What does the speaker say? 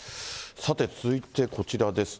さて、続いてこちらです。